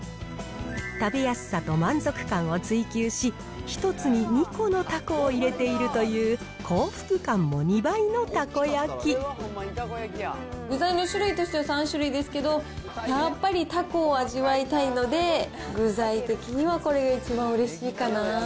食べやすさと満足感を追求し、１つに２個のたこを入れているという、具材の種類としては３種類ですけど、やっぱりたこを味わいたいので、具材的にはこれが一番うれしいかな。